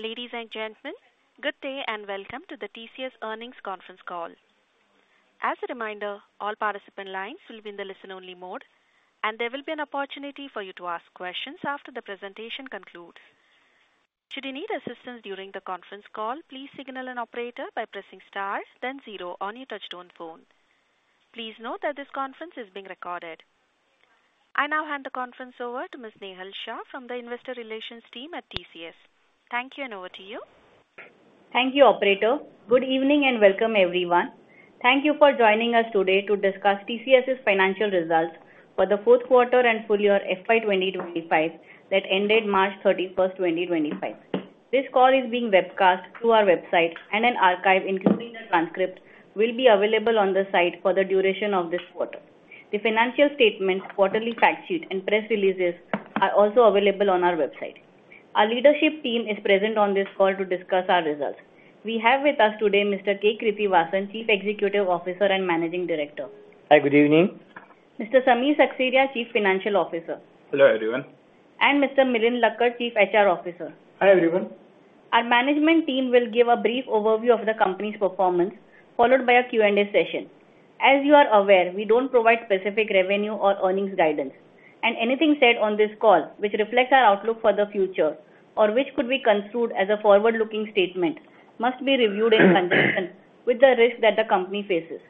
Ladies and gentlemen, good day and welcome to the TCS Earnings Conference Call. As a reminder, all participant lines will be in the listen-only mode, and there will be an opportunity for you to ask questions after the presentation concludes. Should you need assistance during the conference call, please signal an operator by pressing star, then zero on your touch-tone phone. Please note that this conference is being recorded. I now hand the conference over to Ms. Nehal Shah from the Investor Relations Team at TCS. Thank you, and over to you. Thank you, Operator. Good evening and welcome, everyone. Thank you for joining us today to discuss TCS's financial results for the fourth quarter and full year FY 2025 that ended March 31, 2025. This call is being webcast through our website, and an archive including the transcript will be available on the site for the duration of this quarter. The financial statements, quarterly fact sheet, and press releases are also available on our website. Our leadership team is present on this call to discuss our results. We have with us today Mr. K. Krithivasan, Chief Executive Officer and Managing Director. Hi, good evening. Mr. Samir Seksaria, Chief Financial Officer. Hello, everyone. Mr. Milind Lakkad, Chief HR Officer. Hi, everyone. Our management team will give a brief overview of the company's performance, followed by a Q&A session. As you are aware, we don't provide specific revenue or earnings guidance, and anything said on this call, which reflects our outlook for the future or which could be construed as a forward-looking statement, must be reviewed in conjunction with the risk that the company faces.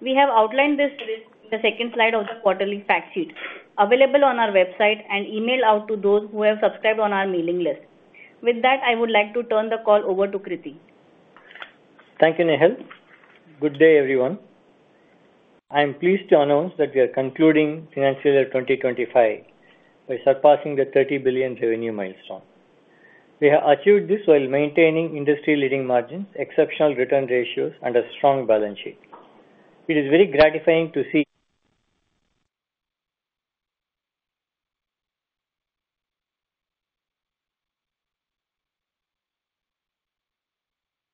We have outlined this risk in the second slide of the quarterly fact sheet, available on our website and emailed out to those who have subscribed on our mailing list. With that, I would like to turn the call over to Krithi. Thank you, Nehal. Good day, everyone. I am pleased to announce that we are concluding financial year 2025 by surpassing the $30 billion revenue milestone. We have achieved this while maintaining industry-leading margins, exceptional return ratios, and a strong balance sheet. It is very gratifying to see.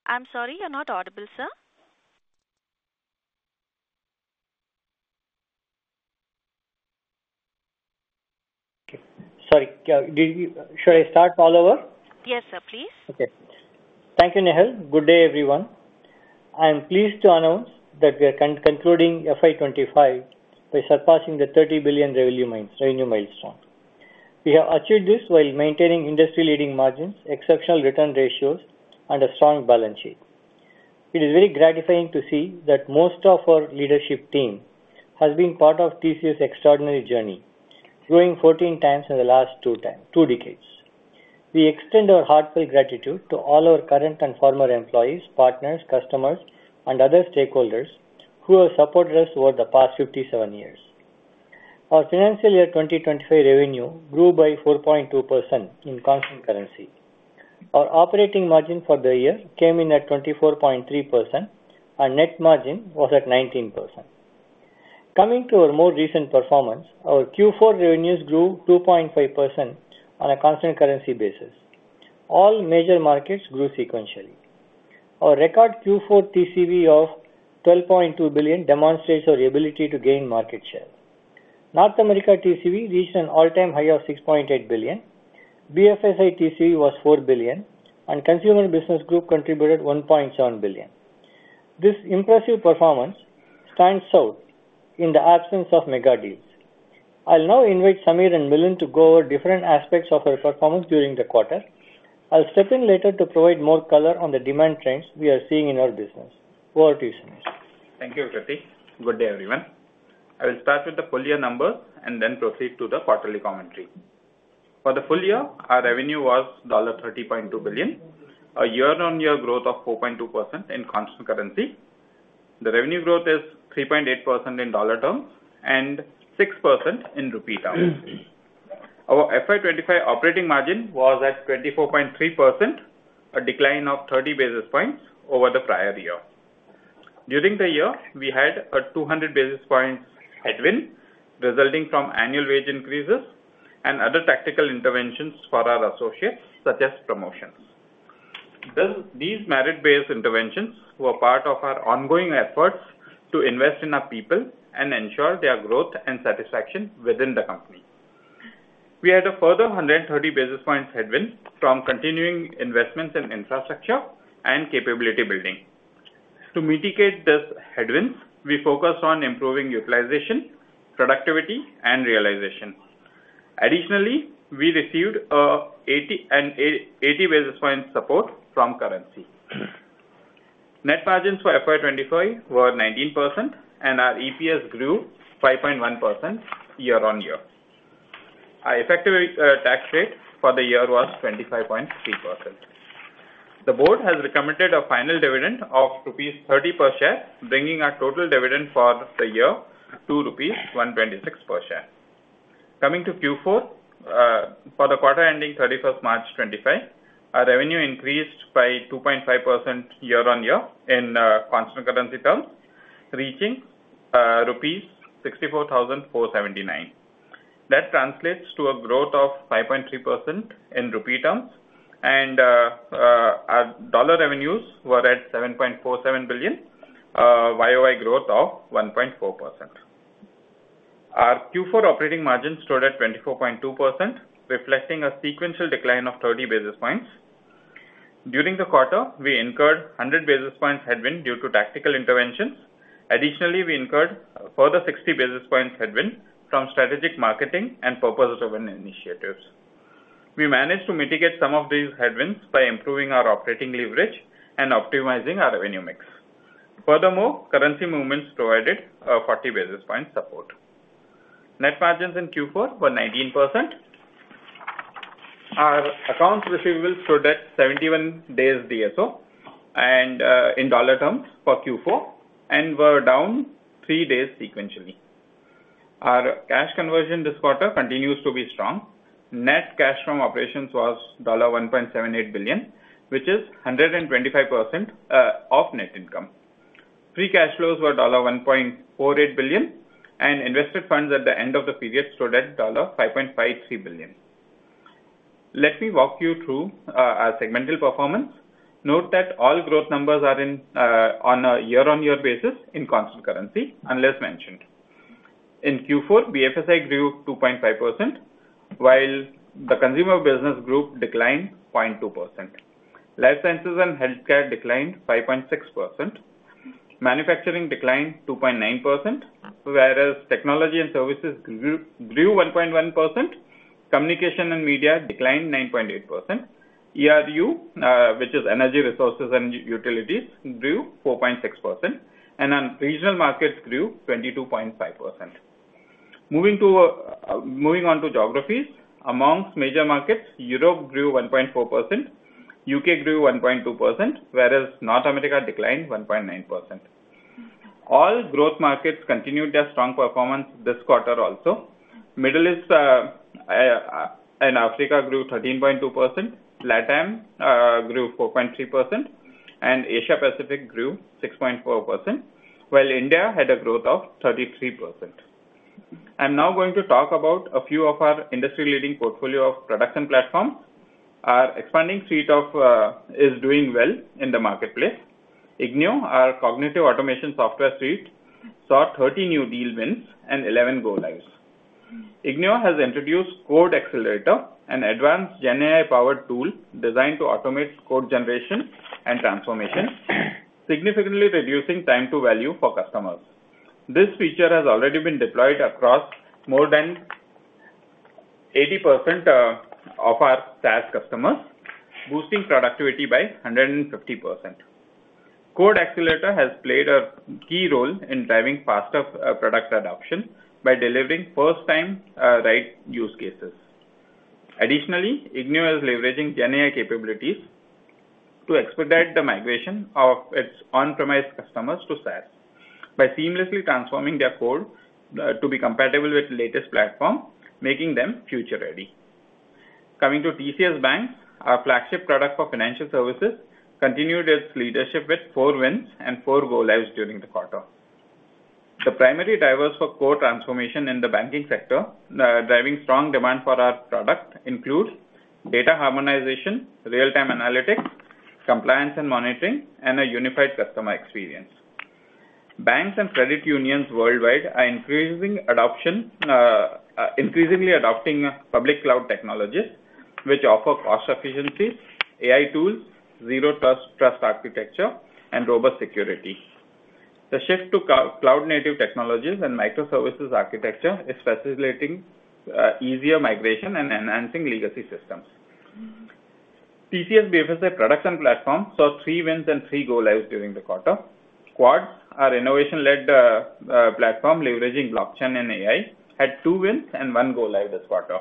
I'm sorry, you're not audible, sir. Okay. Sorry. Should I start all over? Yes, sir, please. Okay. Thank you, Nehal. Good day, everyone. I am pleased to announce that we are concluding FY 2025 by surpassing the $30 billion revenue milestone. We have achieved this while maintaining industry-leading margins, exceptional return ratios, and a strong balance sheet. It is very gratifying to see that most of our leadership team has been part of TCS's extraordinary journey, growing 14x in the last two decades. We extend our heartfelt gratitude to all our current and former employees, partners, customers, and other stakeholders who have supported us over the past 57 years. Our financial year 2025 revenue grew by 4.2% in constant currency. Our operating margin for the year came in at 24.3%, and net margin was at 19%. Coming to our more recent performance, our Q4 revenues grew 2.5% on a constant currency basis. All major markets grew sequentially. Our record Q4 TCV of $12.2 billion demonstrates our ability to gain market share. North America TCV reached an all-time high of $6.8 billion. BFSI TCV was $4 billion, and Consumer Business Group contributed $1.7 billion. This impressive performance stands out in the absence of mega deals. I'll now invite Samir and Milind to go over different aspects of our performance during the quarter. I'll step in later to provide more color on the demand trends we are seeing in our business. Over to you, Samir. Thank you, Krithi. Good day, everyone. I will start with the full year numbers and then proceed to the quarterly commentary. For the full year, our revenue was $30.2 billion, a year-on-year growth of 4.2% in constant currency. The revenue growth is 3.8% in dollar terms and 6% in rupee terms. Our FY 2025 operating margin was at 24.3%, a decline of 30 basis points over the prior year. During the year, we had a 200-basis-points headwind resulting from annual wage increases and other tactical interventions for our associates, such as promotions. These merit-based interventions were part of our ongoing efforts to invest in our people and ensure their growth and satisfaction within the company. We had a further 130-basis-points headwind from continuing investments in infrastructure and capability building. To mitigate this headwind, we focused on improving utilization, productivity, and realization. Additionally, we received an 80-basis-points support from currency. Net margins for FY 2025 were 19%, and our EPS grew 5.1% year-on-year. Our effective tax rate for the year was 25.3%. The board has recommended a final dividend of rupees 30 per share, bringing our total dividend for the year to rupees 126 per share. Coming to Q4, for the quarter ending 31st March 2025, our revenue increased by 2.5% year-on-year in constant currency terms, reaching rupees 64,479 crore. That translates to a growth of 5.3% in rupee terms, and our dollar revenues were at $7.47 billion, YoY growth of 1.4%. Our Q4 operating margin stood at 24.2%, reflecting a sequential decline of 30 basis points. During the quarter, we incurred 100-basis-points headwind due to tactical interventions. Additionally, we incurred a further 60-basis-points headwind from strategic marketing and purpose-driven initiatives. We managed to mitigate some of these headwinds by improving our operating leverage and optimizing our revenue mix. Furthermore, currency movements provided 40-basis-points support. Net margins in Q4 were 19%. Our accounts receivable stood at 71 days DSO in dollar terms for Q4 and were down three days sequentially. Our cash conversion this quarter continues to be strong. Net cash from operations was $1.78 billion, which is 125% of net income. Free cash flows were $1.48 billion, and invested funds at the end of the period stood at $5.53 billion. Let me walk you through our segmental performance. Note that all growth numbers are on a year-on-year basis in constant currency, unless mentioned. In Q4, BFSI grew 2.5%, while the Consumer Business Group declined 0.2%. Life Sciences and Healthcare declined 5.6%. Manufacturing declined 2.9%, whereas Technology and Services grew 1.1%. Communications and Media declined 9.8%. ERU, which is Energy, Resources, and Utilities, grew 4.6%, and Regional Markets grew 22.5%. Moving on to geographies, amongst major markets, Europe grew 1.4%, U.K. grew 1.2%, whereas North America declined 1.9%. All growth markets continued their strong performance this quarter also. Middle East and Africa grew 13.2%. LATAM grew 4.3%, and Asia-Pacific grew 6.4%, while India had a growth of 33%. I'm now going to talk about a few of our industry-leading portfolio of production platforms. Our expanding suite is doing well in the marketplace. ignio, our cognitive automation software suite, saw 30 new deal wins and 11 go-lives. ignio has introduced Code Accelerator, an advanced GenAI-powered tool designed to automate code generation and transformation, significantly reducing time-to-value for customers. This feature has already been deployed across more than 80% of our SaaS customers, boosting productivity by 150%. Code Accelerator has played a key role in driving faster product adoption by delivering first-time right use cases. Additionally, ignio is leveraging GenAI capabilities to expedite the migration of its on-premise customers to SaaS by seamlessly transforming their code to be compatible with the latest platform, making them future-ready. Coming to TCS BaNCS, our flagship product for financial services continued its leadership with four wins and four go-lives during the quarter. The primary drivers for core transformation in the banking sector, driving strong demand for our product, include data harmonization, real-time analytics, compliance and monitoring, and a unified customer experience. Banks and credit unions worldwide are increasingly adopting public cloud technologies, which offer cost efficiencies, AI tools, zero-trust architecture, and robust security. The shift to cloud-native technologies and microservices architecture is facilitating easier migration and enhancing legacy systems. TCS BFSI production platform saw three wins and three go-lives during the quarter. Quartz, our innovation-led platform leveraging blockchain and AI, had two wins and one go-live this quarter.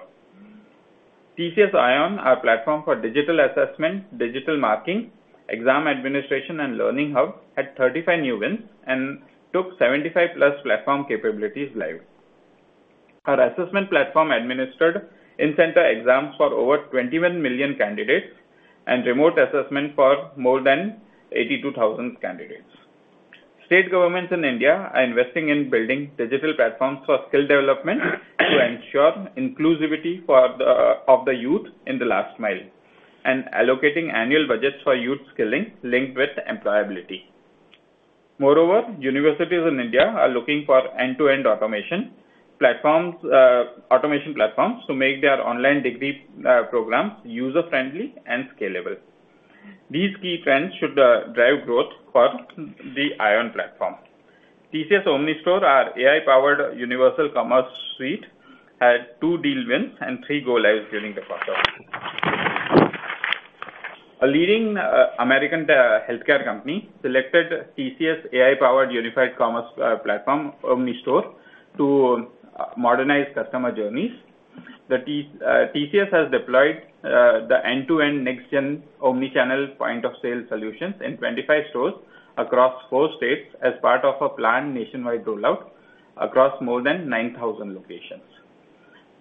TCS iON, our platform for digital assessment, digital marking, exam administration, and learning hub, had 35 new wins and took 75+ platform capabilities live. Our assessment platform administered in-center exams for over 21 million candidates and remote assessment for more than 82,000 candidates. State governments in India are investing in building digital platforms for skill development to ensure inclusivity of the youth in the last mile and allocating annual budgets for youth skilling linked with employability. Moreover, universities in India are looking for end-to-end automation platforms to make their online degree programs user-friendly and scalable. These key trends should drive growth for the iON platform. TCS OmniStore, our AI-powered universal commerce suite, had two deal wins and three go-lives during the quarter. A leading American healthcare company selected TCS AI-powered unified commerce platform, OmniStore, to modernize customer journeys. TCS has deployed the end-to-end next-gen omnichannel point-of-sale solutions in 25 stores across four states as part of a planned nationwide rollout across more than 9,000 locations.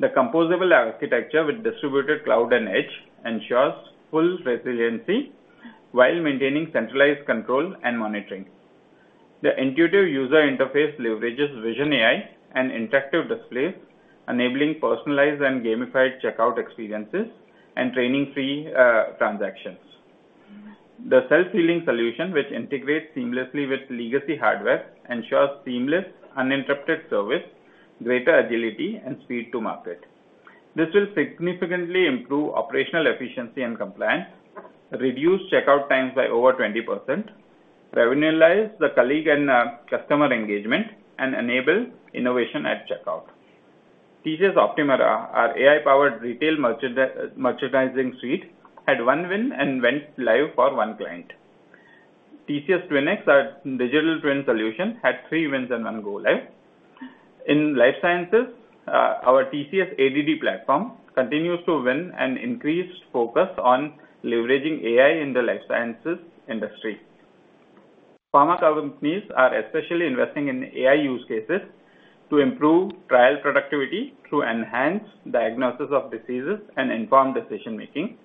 The composable architecture with distributed cloud and edge ensures full resiliency while maintaining centralized control and monitoring. The intuitive user interface leverages vision AI and interactive displays, enabling personalized and gamified checkout experiences and training-free transactions. The self-healing solution, which integrates seamlessly with legacy hardware, ensures seamless, uninterrupted service, greater agility, and speed to market. This will significantly improve operational efficiency and compliance, reduce checkout times by over 20%, revolutionalize the colleague and customer engagement, and enable innovation at checkout. TCS Optumera, our AI-powered retail merchandising suite, had one win and went live for one client. TCS TwinX, our digital twin solution, had three wins and one go-live. In Life Sciences, our TCS ADD platform continues to win and increase focus on leveraging AI in the life sciences industry. Pharma companies are especially investing in AI use cases to improve trial productivity to enhance diagnosis of diseases and inform decision-making,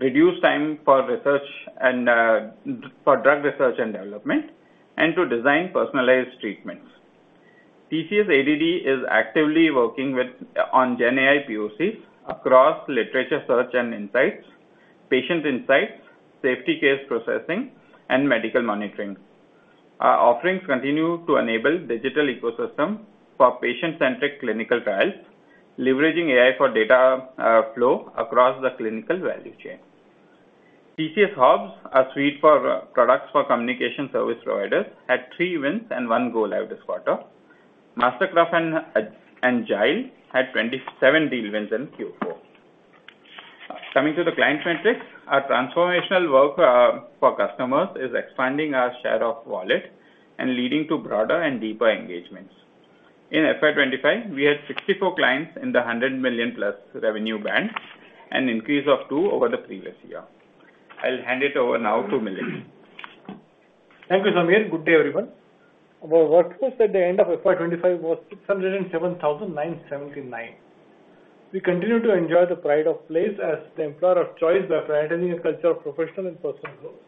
reduce time for drug research and development, and to design personalized treatments. TCS ADD is actively working on GenAI PoCs across literature search and insights, patient insights, safety case processing, and medical monitoring. Our offerings continue to enable digital ecosystem for patient-centric clinical trials, leveraging AI for data flow across the clinical value chain. TCS HOBS, our suite of products for communication service providers, had three wins and one go-live this quarter. MasterCraft and Jile had 27 deal wins in Q4. Coming to the client metrics, our transformational work for customers is expanding our share of wallet and leading to broader and deeper engagements. In FY 2025, we had 64 clients in the $100+ million revenue band, an increase of two over the previous year. I'll hand it over now to Milind. Thank you, Samir. Good day, everyone. Our workforce at the end of FY 2025 was 607,979. We continue to enjoy the pride of place as the employer of choice by prioritizing a culture of professional and personal growth,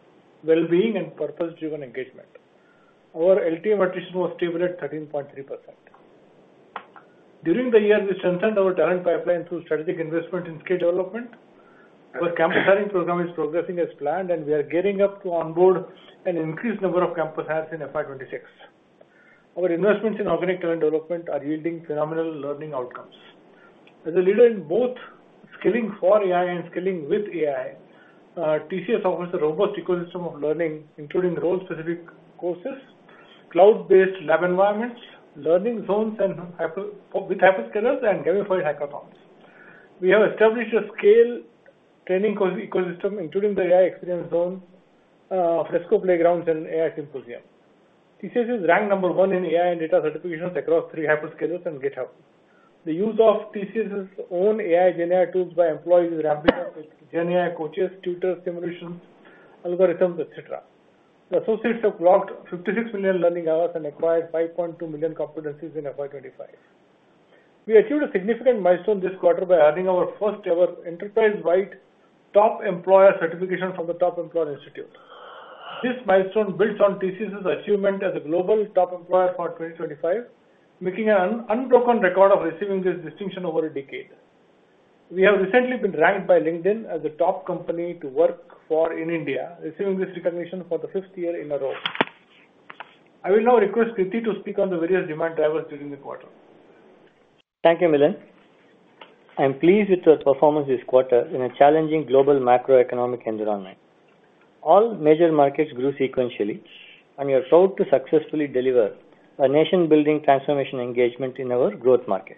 well-being, and purpose-driven engagement. Our LTM attrition was stable at 13.3%. During the year, we strengthened our talent pipeline through strategic investment in skill development. Our campus hiring program is progressing as planned, and we are gearing up to onboard an increased number of campus hires in FY 2026. Our investments in organic talent development are yielding phenomenal learning outcomes. As a leader in both skilling for AI and skilling with AI, TCS offers a robust ecosystem of learning, including role-specific courses, cloud-based lab environments, learning zones with hyperscalers and gamified hackathons. We have established a scaled training ecosystem, including the AI Experience Zone, Fresco playgrounds, and AI symposiums. TCS is ranked number one in AI and data certifications across three hyperscalers and GitHub. The use of TCS's own AI/GenAI tools by employees is ramping up with GenAI coaches, tutors, simulations, algorithms, etc. The associates have logged 56 million learning hours and acquired 5.2 million competencies in FY 2025. We achieved a significant milestone this quarter by earning our first-ever enterprise-wide top employer certification from the Top Employers Institute. This milestone builds on TCS's achievement as a Global Top Employer for 2025, making an unbroken record of receiving this distinction over a decade. We have recently been ranked by LinkedIn as the top company to work for in India, receiving this recognition for the fifth year in a row. I will now request Krithi to speak on the various demand drivers during the quarter. Thank you, Milind. I'm pleased with your performance this quarter in a challenging global macroeconomic environment. All major markets grew sequentially, and we are proud to successfully deliver a nation-building transformation engagement in our growth market.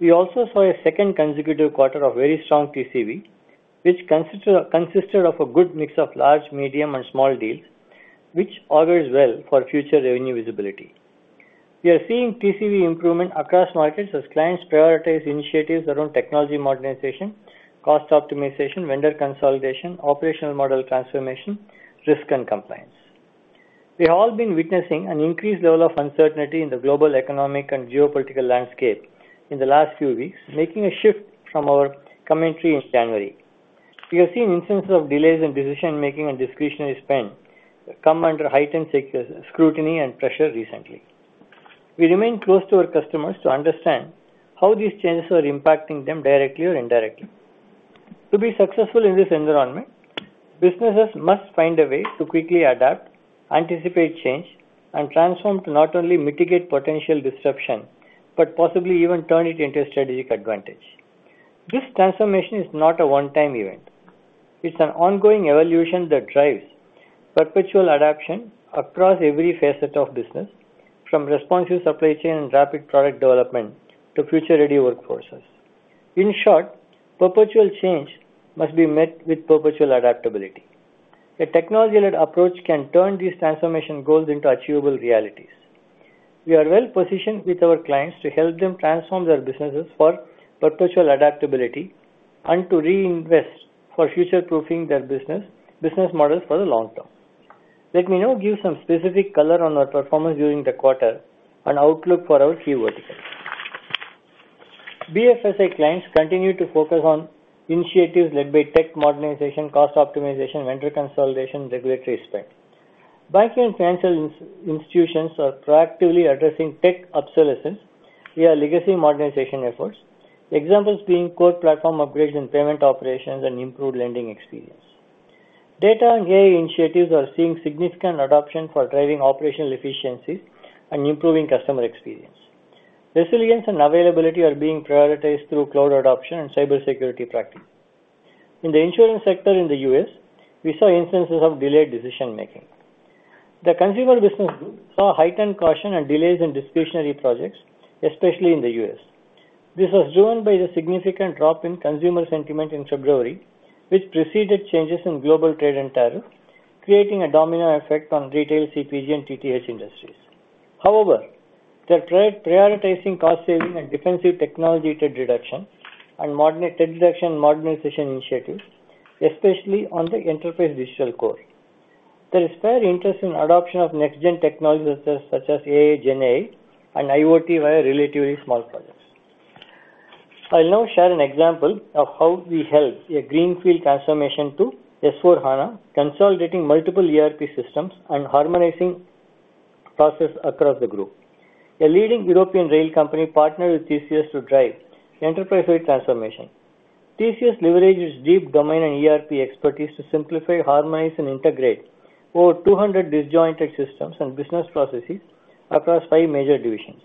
We also saw a second consecutive quarter of very strong TCV, which consisted of a good mix of large, medium, and small deals, which augurs well for future revenue visibility. We are seeing TCV improvement across markets as clients prioritize initiatives around technology modernization, cost optimization, vendor consolidation, operational model transformation, risk, and compliance. We have all been witnessing an increased level of uncertainty in the global economic and geopolitical landscape in the last few weeks, making a shift from our commentary in January. We have seen instances of delays in decision-making and discretionary spend come under heightened scrutiny and pressure recently. We remain close to our customers to understand how these changes are impacting them directly or indirectly. To be successful in this environment, businesses must find a way to quickly adapt, anticipate change, and transform to not only mitigate potential disruption, but possibly even turn it into a strategic advantage. This transformation is not a one-time event. It's an ongoing evolution that drives perpetual adaptation across every facet of business, from responsive supply chain and rapid product development to future-ready workforces. In short, perpetual change must be met with perpetual adaptability. A technology-led approach can turn these transformation goals into achievable realities. We are well-positioned with our clients to help them transform their businesses for perpetual adaptability and to reinvest for future-proofing their business models for the long term. Let me now give some specific color on our performance during the quarter and outlook for our key verticals. BFSI clients continue to focus on initiatives led by tech modernization, cost optimization, vendor consolidation, and regulatory spend. Banking and financial institutions are proactively addressing tech obsolescence via legacy modernization efforts, examples being core platform upgrades in payment operations and improved lending experience. Data and AI initiatives are seeing significant adoption for driving operational efficiencies and improving customer experience. Resilience and availability are being prioritized through cloud adoption and cybersecurity practices. In the Insurance sector in the U.S., we saw instances of delayed decision-making. The Consumer Business Group saw heightened caution and delays in discretionary projects, especially in the U.S. This was driven by the significant drop in consumer sentiment in February, which preceded changes in global trade and tariffs, creating a domino effect on Retail, CPG, and TTH industries. However, they're prioritizing cost-saving and defensive technology debt reduction and modernization initiatives, especially on the enterprise digital core. There is fair interest in adoption of next-gen technologies such as AI/GenAI, and IoT via relatively small projects. I'll now share an example of how we help a Greenfield transformation to S/4HANA, consolidating multiple ERP systems and harmonizing processes across the group. A leading European rail company partnered with TCS to drive enterprise-wide transformation. TCS leverages deep domain and ERP expertise to simplify, harmonize, and integrate over 200 disjointed systems and business processes across five major divisions.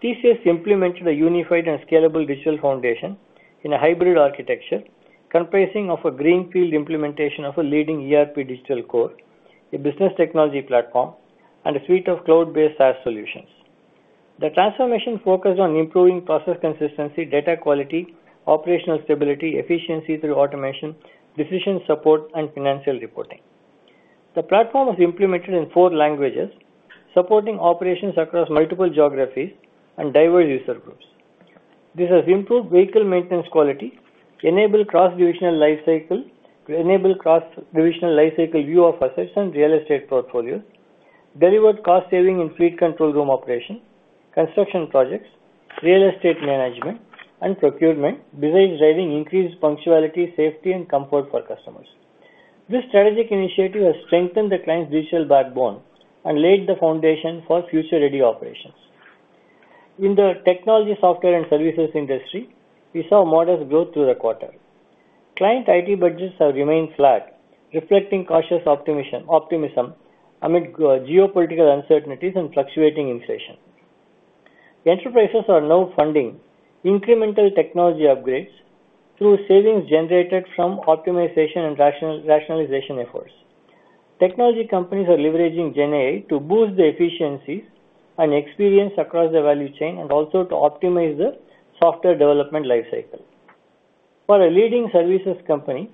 TCS implemented a unified and scalable digital foundation in a hybrid architecture, comprising of a Greenfield implementation of a leading ERP digital core, a business technology platform, and a suite of cloud-based SaaS solutions. The transformation focused on improving process consistency, data quality, operational stability, efficiency through automation, decision support, and financial reporting. The platform was implemented in four languages, supporting operations across multiple geographies and diverse user groups. This has improved vehicle maintenance quality, enabled cross-divisional lifecycle, enabled cross-divisional lifecycle view of assets and real estate portfolios, delivered cost-saving in fleet control room operation, construction projects, real estate management, and procurement, besides driving increased punctuality, safety, and comfort for customers. This strategic initiative has strengthened the client's digital backbone and laid the foundation for future-ready operations. In the Technology, Software, and Services industry, we saw modest growth through the quarter. Client IT budgets have remained flat, reflecting cautious optimism amid geopolitical uncertainties and fluctuating inflation. Enterprises are now funding incremental technology upgrades through savings generated from optimization and rationalization efforts. Technology companies are leveraging GenAI to boost the efficiencies and experience across the value chain and also to optimize the software development lifecycle. For a leading services company,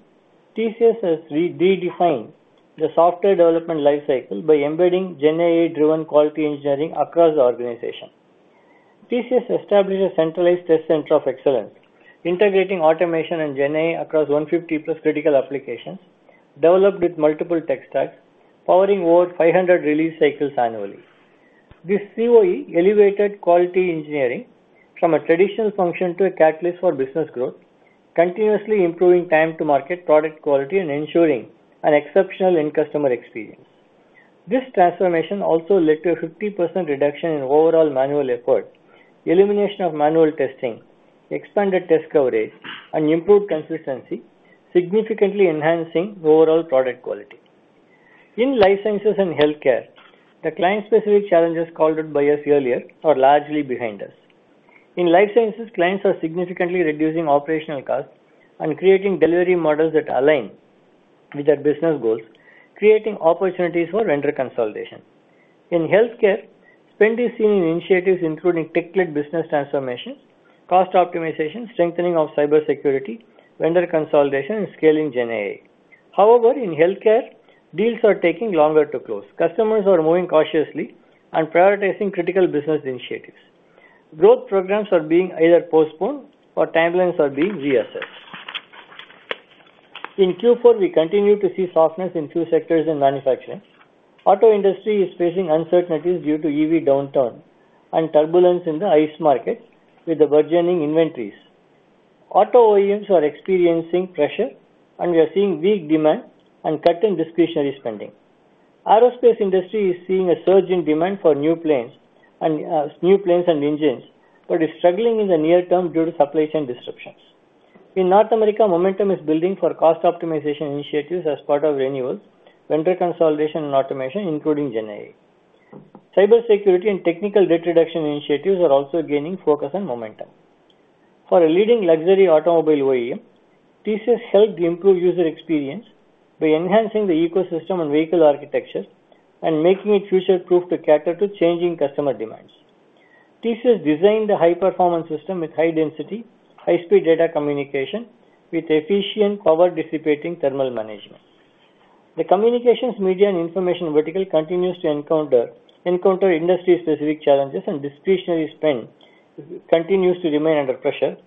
TCS has redefined the software development lifecycle by embedding GenAI-driven quality engineering across the organization. TCS established a centralized Test Center of Excellence, integrating automation and GenAI across 150+ critical applications developed with multiple tech stacks, powering over 500 release cycles annually. This CoE elevated quality engineering from a traditional function to a catalyst for business growth, continuously improving time-to-market, product quality, and ensuring an exceptional end-customer experience. This transformation also led to a 50% reduction in overall manual effort, elimination of manual testing, expanded test coverage, and improved consistency, significantly enhancing overall product quality. In Life Sciences and Healthcare, the client-specific challenges called out by us earlier are largely behind us. In Life Sciences, clients are significantly reducing operational costs and creating delivery models that align with their business goals, creating opportunities for vendor consolidation. In Healthcare, spend is seen in initiatives including tech-led business transformation, cost optimization, strengthening of cybersecurity, vendor consolidation, and scaling GenAI. However, in Healthcare, deals are taking longer to close. Customers are moving cautiously and prioritizing critical business initiatives. Growth programs are being either postponed or timelines are being reassessed. In Q4, we continue to see softness in a few sectors in Manufacturing. Auto industry is facing uncertainties due to EV downturn and turbulence in the ICE market with the burgeoning inventories. Auto OEMs are experiencing pressure, and we are seeing weak demand and cutting discretionary spending. Aerospace industry is seeing a surge in demand for new planes and new engines, but is struggling in the near term due to supply chain disruptions. In North America, momentum is building for cost optimization initiatives as part of renewals, vendor consolidation, and automation, including GenAI. Cybersecurity and technical debt reduction initiatives are also gaining focus and momentum. For a leading luxury automobile OEM, TCS helped improve user experience by enhancing the ecosystem and vehicle architecture and making it future-proof to cater to changing customer demands. TCS designed a high-performance system with high-density, high-speed data communication with efficient power dissipating thermal management. The Communications, Media, and Information vertical continues to encounter industry-specific challenges, and discretionary spend continues to remain under pressure.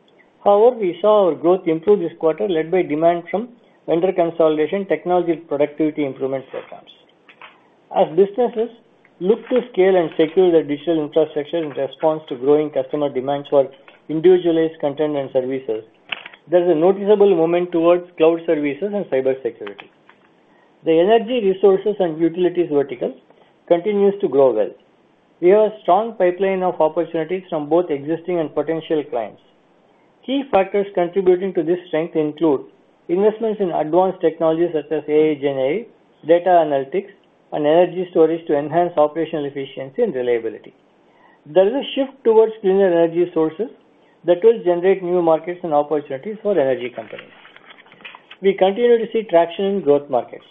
However, we saw our growth improve this quarter, led by demand from vendor consolidation, technology productivity improvement programs. As businesses look to scale and secure their digital infrastructure in response to growing customer demands for individualized content and services, there is a noticeable movement towards cloud services and cybersecurity. The Energy, Resources, and Utilities vertical continues to grow well. We have a strong pipeline of opportunities from both existing and potential clients. Key factors contributing to this strength include investments in advanced technologies such as AI/GenAI, data analytics, and energy storage to enhance operational efficiency and reliability. There is a shift towards cleaner energy sources that will generate new markets and opportunities for energy companies. We continue to see traction in growth markets.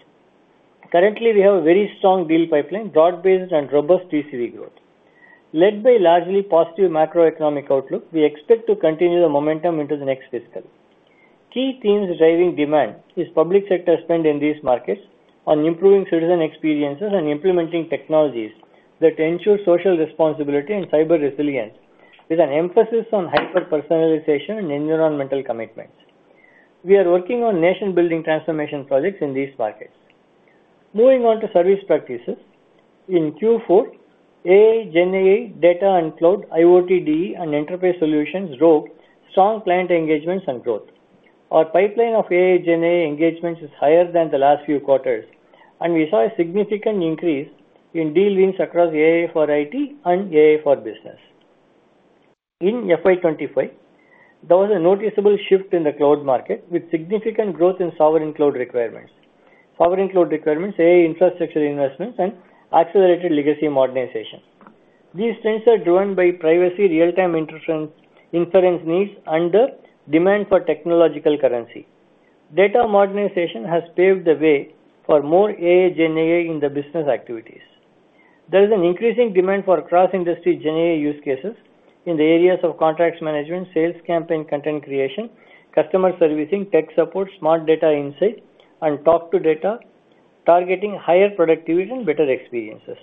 Currently, we have a very strong deal pipeline, broad-based, and robust TCV growth. Led by largely positive macroeconomic outlook, we expect to continue the momentum into the next fiscal. Key themes driving demand are public sector spend in these markets on improving citizen experiences and implementing technologies that ensure social responsibility and cyber resilience, with an emphasis on hyper-personalization and environmental commitments. We are working on nation-building transformation projects in these markets. Moving on to service practices, in Q4, AI/GenAI, Data and Cloud, IoT-DE, and Enterprise Solutions drove strong client engagements and growth. Our pipeline of AI/GenAI engagements is higher than the last few quarters, and we saw a significant increase in deal wins across AI for IT and AI for Business. In FY 2025, there was a noticeable shift in the cloud market with significant growth in sovereign cloud requirements, AI infrastructure investments, and accelerated legacy modernization. These trends are driven by privacy, real-time inference needs under demand for technological currency. Data modernization has paved the way for more AI/GenAI in the business activities. There is an increasing demand for cross-industry GenAI use cases in the areas of contracts management, sales campaign, content creation, customer servicing, tech support, smart data insight, and talk-to-data, targeting higher productivity and better experiences.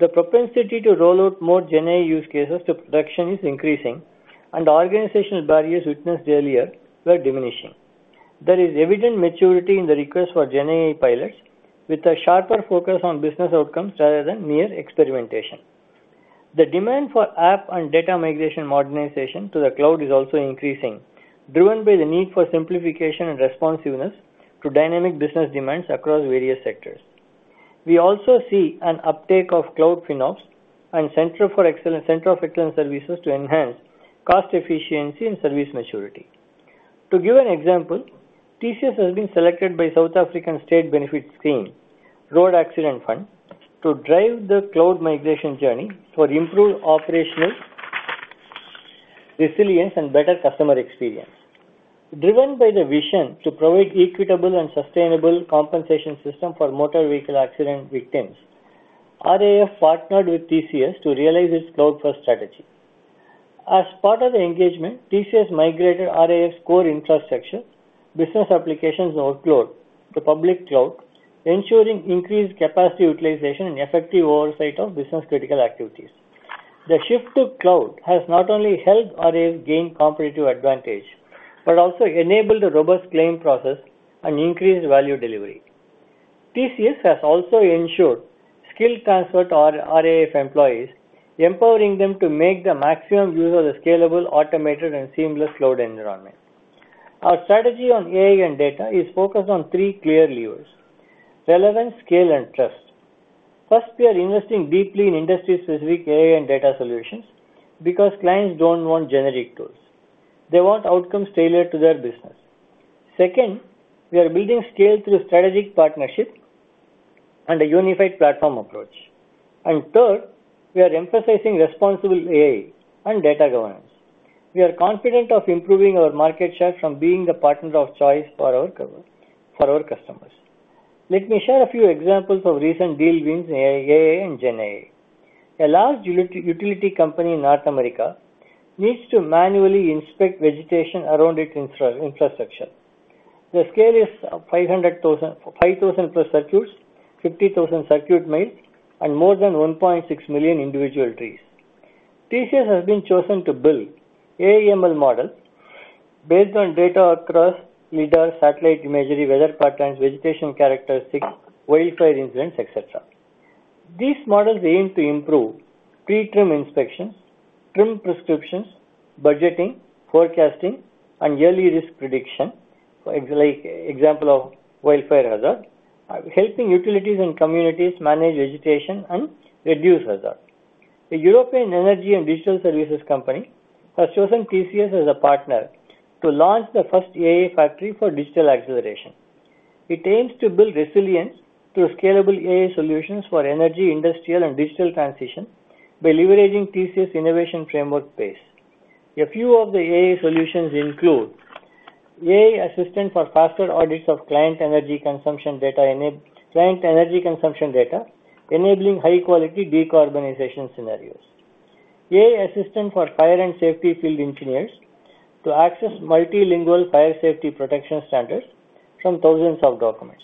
The propensity to roll out more GenAI use cases to production is increasing, and organizational barriers witnessed earlier were diminishing. There is evident maturity in the request for GenAI pilots with a sharper focus on business outcomes rather than mere experimentation. The demand for app and data migration modernization to the cloud is also increasing, driven by the need for simplification and responsiveness to dynamic business demands across various sectors. We also see an uptake of cloud FinOps and Center of Excellence services to enhance cost efficiency and service maturity. To give an example, TCS has been selected by South African state benefit scheme, Road Accident Fund, to drive the cloud migration journey for improved operational resilience and better customer experience. Driven by the vision to provide equitable and sustainable compensation systems for motor vehicle accident victims, RAF partnered with TCS to realize its cloud-first strategy. As part of the engagement, TCS migrated RAF's core infrastructure, business applications, and workload to public cloud, ensuring increased capacity utilization and effective oversight of business-critical activities. The shift to cloud has not only helped RAF gain competitive advantage but also enabled a robust claim process and increased value delivery. TCS has also ensured skill transfer to RAF employees, empowering them to make the maximum use of the scalable, automated, and seamless cloud environment. Our strategy on AI and data is focused on three clear levers: relevance, scale, and trust. First, we are investing deeply in industry-specific AI and data solutions because clients do not want generic tools. They want outcomes tailored to their business. Second, we are building scale through strategic partnerships and a unified platform approach. Third, we are emphasizing responsible AI and data governance. We are confident of improving our market share from being the partner of choice for our customers. Let me share a few examples of recent deal wins in AI and GenAI. A large utility company in North America needs to manually inspect vegetation around its infrastructure. The scale is 5,000+ circuits, 50,000 circuit miles, and more than 1.6 million individual trees. TCS has been chosen to build AI/ML models based on data across LiDAR, satellite imagery, weather patterns, vegetation characteristics, wildfire incidents, etc. These models aim to improve tree trim inspections, trim prescriptions, budgeting, forecasting, and yearly risk prediction, like example of wildfire hazard, helping utilities and communities manage vegetation and reduce hazard. A European energy and digital services company has chosen TCS as a partner to launch the first AI factory for digital acceleration. It aims to build resilience through scalable AI solutions for energy, industrial, and digital transition by leveraging the TCS innovation framework Pace. A few of the AI solutions include AI assistant for faster audits of client energy consumption data, enabling high-quality decarbonization scenarios. AI assistant for fire and safety field engineers to access multilingual fire safety protection standards from thousands of documents.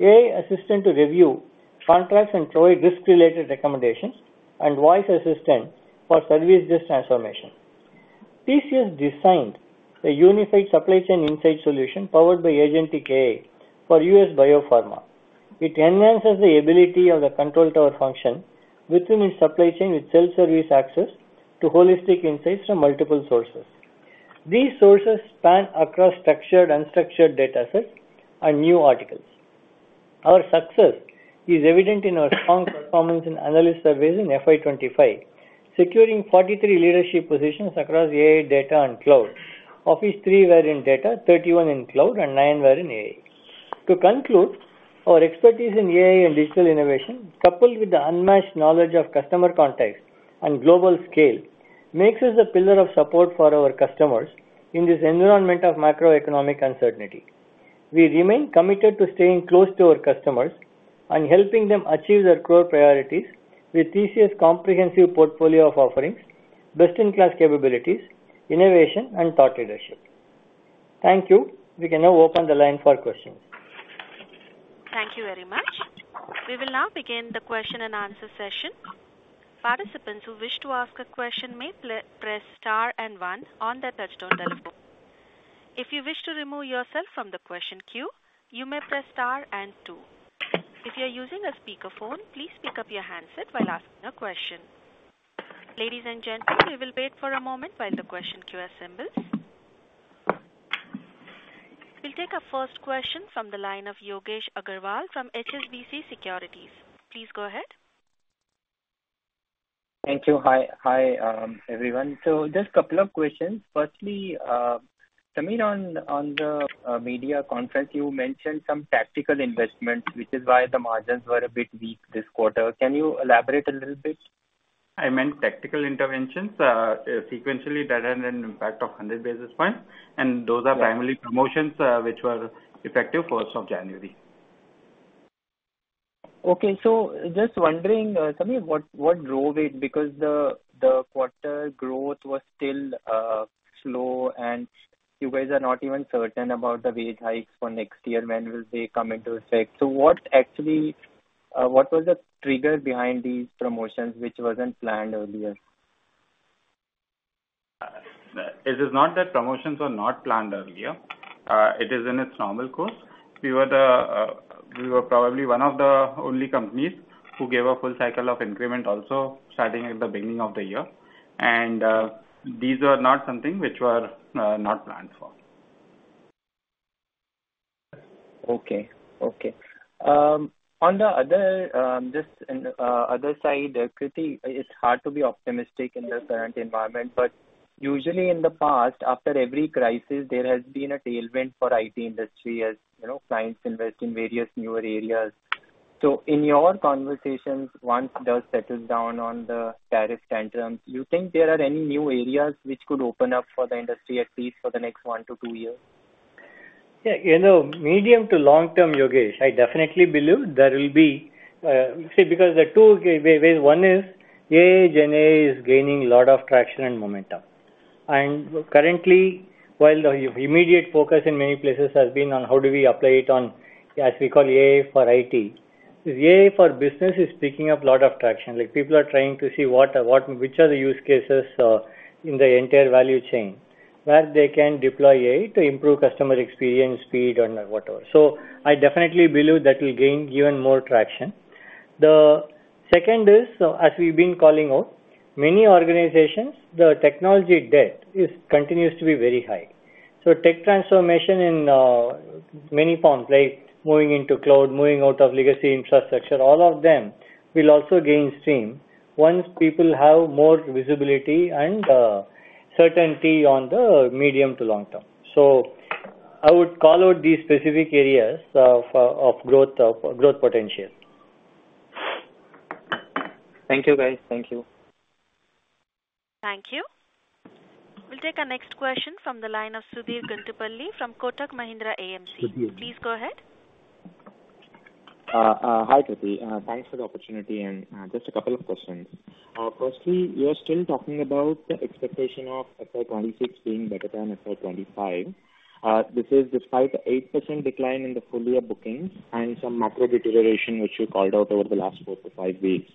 AI assistant to review contracts and provide risk-related recommendations, and voice assistant for service-based transformation. TCS designed a unified supply-chain insight solution powered by Agentic AI for U.S. biopharma. It enhances the ability of the control tower function within its supply chain with self-service access to holistic insights from multiple sources. These sources span across structured, unstructured data sets, and news articles. Our success is evident in our strong performance in analyst surveys in FY 2025, securing 43 leadership positions across AI, Data, and Cloud, of which three were in data, 31 in cloud, and nine were in AI. To conclude, our expertise in AI and digital innovation, coupled with the unmatched knowledge of customer context and global scale, makes us a pillar of support for our customers in this environment of macroeconomic uncertainty. We remain committed to staying close to our customers and helping them achieve their core priorities with TCS's comprehensive portfolio of offerings, best-in-class capabilities, innovation, and thought leadership. Thank you. We can now open the line for questions. Thank you very much. We will now begin the question-and-answer session. Participants who wish to ask a question may press star and one on their touch-tone telephone. If you wish to remove yourself from the question queue, you may press star and two. If you are using a speakerphone, please pick up your handset while asking a question. Ladies and gentlemen, we will wait for a moment while the question queue assembles. We'll take a first question from the line of Yogesh Aggarwal from HSBC Securities. Please go ahead. Thank you. Hi, hi everyone. Just a couple of questions. Firstly, Samir, on the media conference, you mentioned some tactical investments, which is why the margins were a bit weak this quarter. Can you elaborate a little bit? I meant tactical interventions, sequentially data and impact of 100 basis points, and those are primarily promotions which were effective 1st of January. Okay, just wondering, Samir, what drove it? Because the quarter growth was still slow, and you guys are not even certain about the wage hikes for next year. When will they come into effect? What actually, what was the trigger behind these promotions which wasn't planned earlier? It is not that promotions were not planned earlier. It is in its normal course. We were probably one of the only companies who gave a full cycle of increment also starting at the beginning of the year. These were not something which were not planned for. Okay, okay. On the other, just on the other side, Krithi, it's hard to be optimistic in the current environment, but usually in the past, after every crisis, there has been a tailwind for the IT industry as clients invest in various newer areas. In your conversations, once it does settle down on the tariff tantrums, do you think there are any new areas which could open up for the industry, at least for the next 1-2 years? Yeah, you know, medium-to-long term, Yogesh, I definitely believe there will be, see, because the two ways, one is AI/GenAI is gaining a lot of traction and momentum. Currently, while the immediate focus in many places has been on how do we apply it on, as we call AI for IT, AI for Business is picking up a lot of traction. Like people are trying to see which are the use cases in the entire value chain that they can deploy AI to improve customer experience, speed, and whatever. I definitely believe that will gain even more traction. The second is, as we've been calling out, many organizations, the technology debt continues to be very high. Tech transformation in many forms, like moving into cloud, moving out of legacy infrastructure, all of them will also gain steam once people have more visibility and certainty on the medium-to-long term. I would call out these specific areas of growth potential. Thank you, guys. Thank you. Thank you. We'll take a next question from the line of Sudheer Guntupalli from Kotak Mahindra AMC. Please go ahead. Hi, Krithi. Thanks for the opportunity and just a couple of questions. Firstly, you are still talking about the expectation of FY 2026 being better than FY 2025. This is despite the 8% decline in the full-year bookings and some macro deterioration which you called out over the last four to five weeks.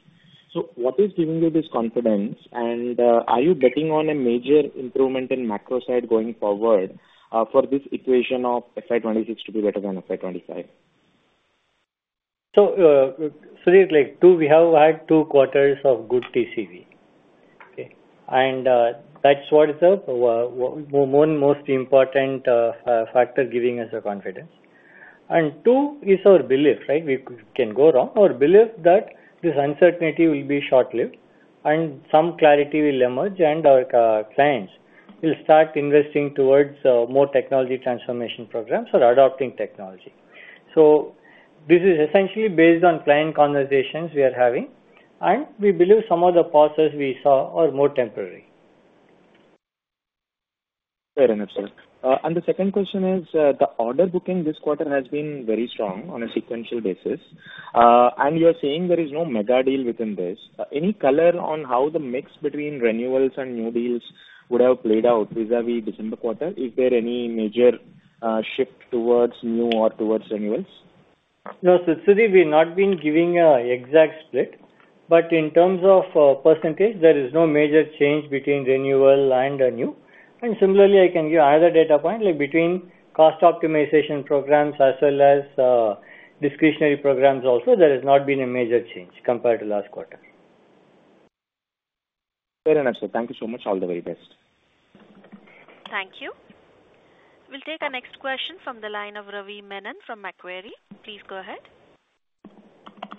What is giving you this confidence, and are you betting on a major improvement in macro side going forward for this equation of FY 2026 to be better than FY 2025? Sudheer, like we have had two quarters of good TCV, okay? That is the one most important factor giving us confidence. Two is our belief, right? We can go wrong. Our belief that this uncertainty will be short-lived and some clarity will emerge, and our clients will start investing towards more technology transformation programs or adopting technology. This is essentially based on client conversations we are having, and we believe some of the pauses we saw are more temporary. Fair enough, sir. The second question is the order booking this quarter has been very strong on a sequential basis, and you are saying there is no mega deal within this. Any color on how the mix between renewals and new deals would have played out vis-à-vis December quarter? Is there any major shift towards new or towards renewals? No, Sudheer, we have not been giving an exact split, but in terms of percentage, there is no major change between renewal and new. Similarly, I can give another data point, like between cost optimization programs as well as discretionary programs also, there has not been a major change compared to last quarter. Fair enough, sir. Thank you so much. All the very best. Thank you. We'll take a next question from the line of Ravi Menon from Macquarie. Please go ahead.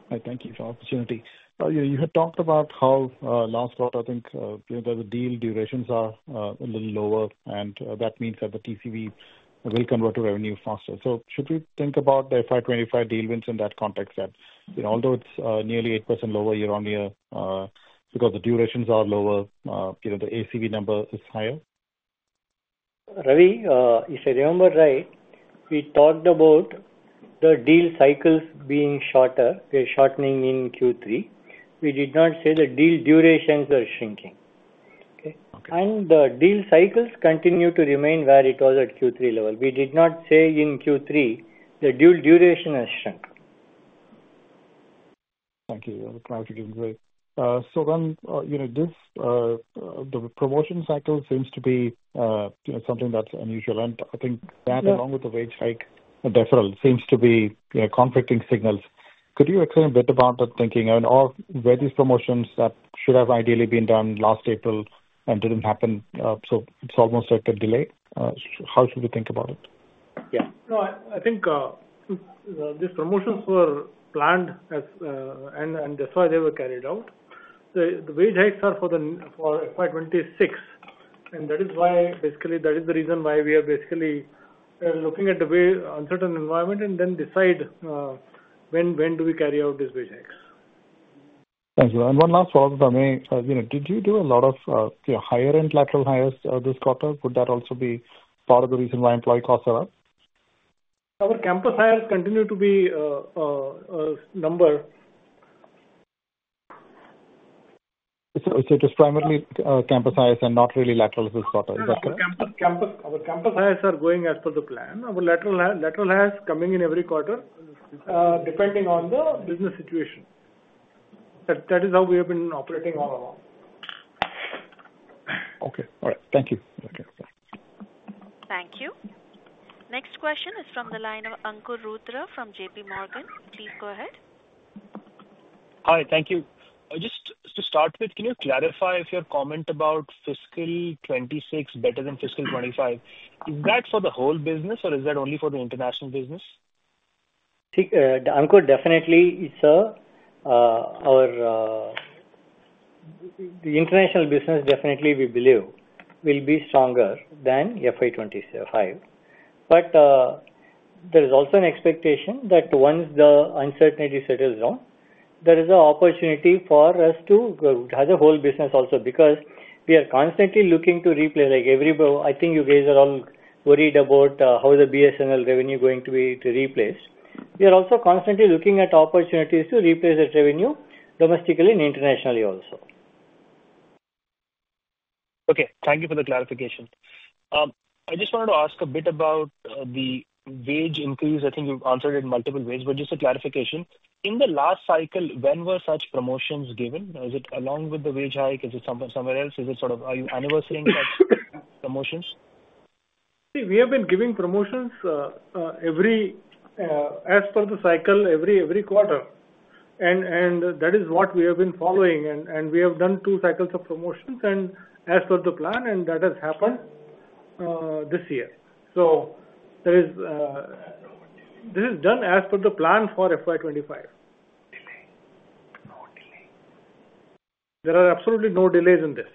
Hi, thank you for the opportunity. You had talked about how last quarter, I think the deal durations are a little lower, and that means that the TCV will convert to revenue faster. Should we think about the FY 2025 deal wins in that context that although it is nearly 8% lower year-on-year because the durations are lower, the ACV number is higher? Ravi, if I remember right, we talked about the deal cycles being shorter, they are shortening in Q3. We did not say the deal durations are shrinking, okay? The deal cycles continue to remain where it was at Q3 level. We did not say in Q3 the deal duration has shrunk. Thank you. I am glad to hear that. The promotion cycle seems to be something that is unusual, and I think that along with the wage hike deferral seems to be conflicting signals. Could you explain a bit about that thinking and where these promotions that should have ideally been done last April and did not happen? It is almost like a delay. How should we think about it? Yeah. No, I think these promotions were planned and that's why they were carried out. The wage hikes are for FY 2026, and that is why basically that is the reason why we are basically looking at the uncertain environment and then decide when do we carry out these wage hikes. Thank you. One last follow-up for me. Did you do a lot of higher-end lateral hires this quarter? Would that also be part of the reason why employee costs are up? Our campus hires continue to be a number. It is primarily campus hires and not really laterals this quarter. Is that correct? Our campus hires are going as per the plan. Our lateral hires are coming in every quarter depending on the business situation. That is how we have been operating all along. Okay. All right. Thank you. Thank you. Next question is from the line of Ankur Rudra from JPMorgan. Please go ahead. Hi, thank you. Just to start with, can you clarify if your comment about fiscal 2026 better than fiscal 2025, is that for the whole business or is that only for the international business? Ankur, definitely it's our international business, definitely we believe will be stronger than FY 2025. But there is also an expectation that once the uncertainty settles down, there is an opportunity for us to have the whole business also because we are constantly looking to replace. I think you guys are all worried about how the BSNL revenue is going to be replaced. We are also constantly looking at opportunities to replace that revenue domestically and internationally also. Okay. Thank you for the clarification. I just wanted to ask a bit about the wage increase. I think you've answered it in multiple ways, but just a clarification. In the last cycle, when were such promotions given? Is it along with the wage hike? Is it somewhere else? Are you anniversarying such promotions? We have been giving promotions as per the cycle, every quarter. That is what we have been following. We have done two cycles of promotions as per the plan, and that has happened this year. This is done as per the plan for FY 2025. Delay. No delay. There are absolutely no delays in this.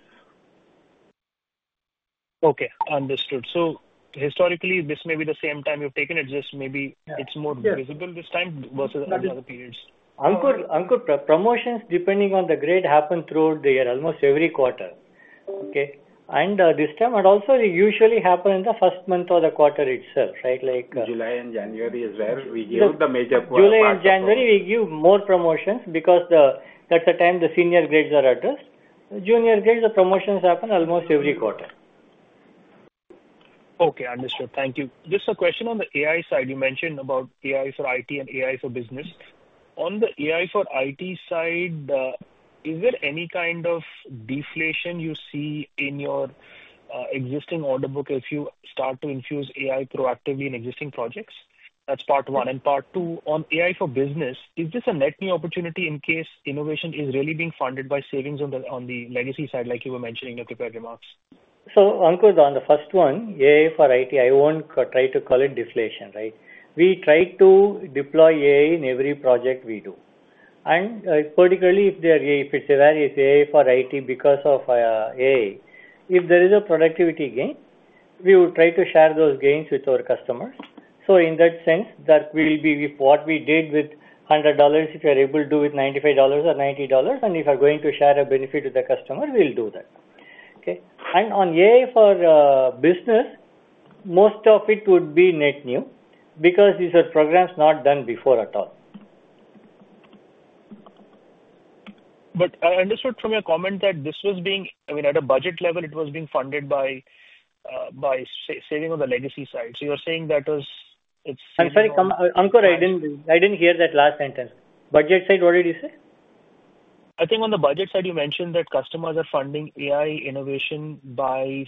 Okay. Understood. Historically, this may be the same time you've taken it. Maybe it's more visible this time versus other periods. Ankur, promotions depending on the grade happen throughout the year, almost every quarter, okay? This time it also usually happens in the first month of the quarter itself, right? Like July and January is where we give the major promotions. July and January, we give more promotions because that's the time the senior grades are addressed. Junior grades, the promotions happen almost every quarter. Okay. Understood. Thank you. Just a question on the AI side. You mentioned about AI for IT and AI for Business. On the AI for IT side, is there any kind of deflation you see in your existing order book if you start to infuse AI proactively in existing projects? That's part one. Part two, on AI for Business, is this a net new opportunity in case innovation is really being funded by savings on the legacy side, like you were mentioning in your prepared remarks? Ankur, on the first one, AI for IT, I won't try to call it deflation, right? We try to deploy AI in every project we do. Particularly if it is AI for IT because of AI, if there is a productivity gain, we will try to share those gains with our customers. In that sense, that will be what we did with $100 if we are able to do with $95 or $90. If we are going to share a benefit with the customer, we will do that. Okay? On AI for Business, most of it would be net new because these are programs not done before at all. I understood from your comment that this was being, I mean, at a budget level, it was being funded by saving on the legacy side. You are saying that it is— I am sorry, Ankur, I did not hear that last sentence. Budget side, what did you say? I think on the budget side, you mentioned that customers are funding AI innovation by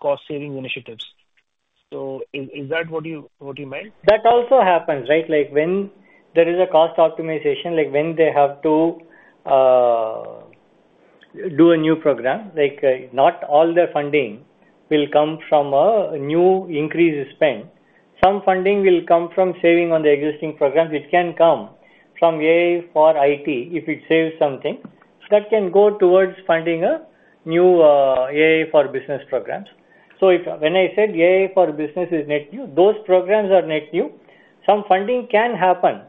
cost-saving initiatives. Is that what you meant? That also happens, right? Like when there is a cost optimization, like when they have to do a new program, like not all the funding will come from a new increase in spend. Some funding will come from saving on the existing programs. It can come from AI for IT if it saves something. That can go towards funding a new AI for business programs. When I said AI for business is net new, those programs are net new. Some funding can happen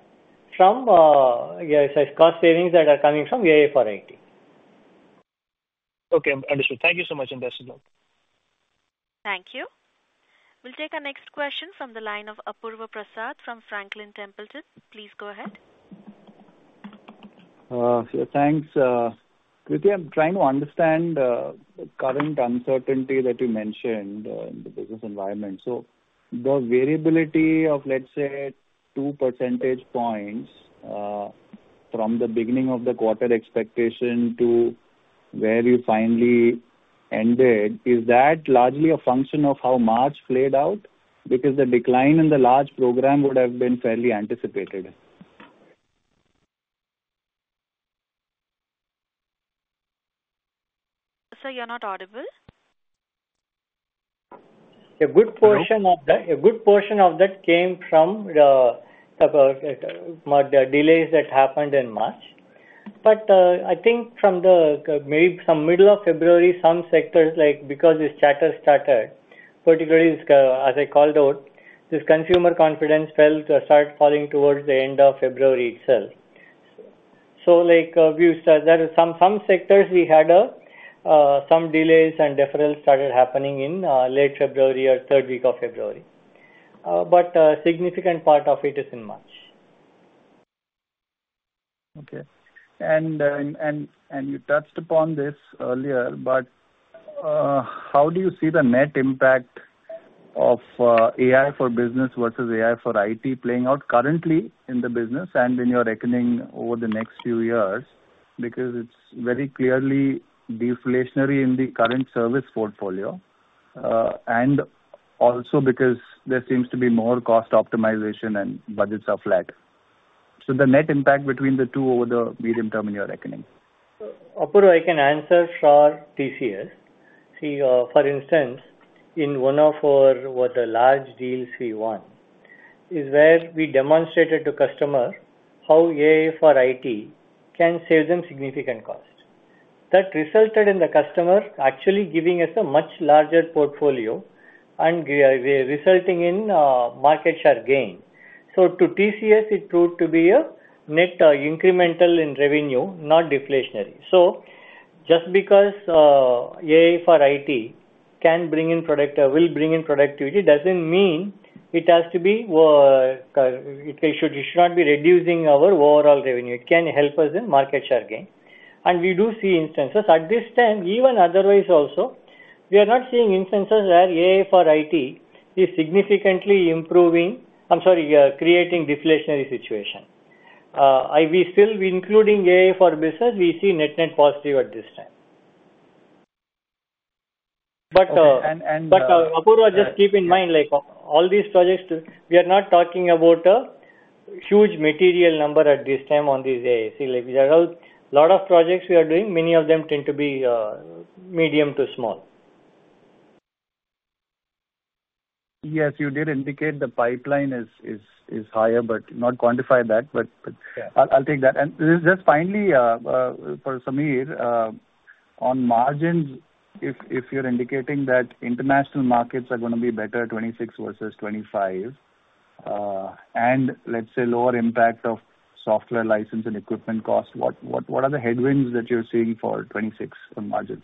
from cost savings that are coming from AI for IT. Okay. Understood. Thank you so much and best of luck. Thank you. We'll take a next question from the line of Apurva Prasad from Franklin Templeton. Please go ahead. Thanks. Krithi, I'm trying to understand the current uncertainty that you mentioned in the business environment. The variability of, let's say, two percentage points from the beginning of the quarter expectation to where you finally ended, is that largely a function of how March played out? Because the decline in the large program would have been fairly anticipated. Sir, you are not audible. A good portion of that came from the delays that happened in March. I think from maybe some middle of February, some sectors, like because this chatter started, particularly as I called out, this consumer confidence fell, started falling towards the end of February itself. Some sectors, we had some delays and deferrals started happening in late February or third week of February. A significant part of it is in March. Okay. You touched upon this earlier, but how do you see the net impact of AI for Business versus AI for IT playing out currently in the business and in your reckoning over the next few years? Because it is very clearly deflationary in the current service portfolio, and also because there seems to be more cost optimization and budgets are flat. The net impact between the two over the medium term in your reckoning? Apurva, I can answer for TCS. See, for instance, in one of our large deals we won is where we demonstrated to customers how AI for IT can save them significant cost. That resulted in the customer actually giving us a much larger portfolio and resulting in market share gain. To TCS, it proved to be a net incremental in revenue, not deflationary. Just because AI for IT can bring in productivity does not mean it has to be—it should not be reducing our overall revenue. It can help us in market share gain. We do see instances. At this time, even otherwise also, we are not seeing instances where AI for IT is significantly improving—I am sorry, creating deflationary situation. We are still including AI for Business. We see net-net positive at this time. And, and... But Apurva, just keep in mind, all these projects, we are not talking about a huge material number at this time on these AIs. There are a lot of projects we are doing. Many of them tend to be medium to small. Yes, you did indicate the pipeline is higher, but not quantify that. I will take that. Just finally, for Samir, on margins, if you're indicating that international markets are going to be better at 2026 versus 2025, and let's say lower impact of software license and equipment cost, what are the headwinds that you're seeing for 2026 on margins?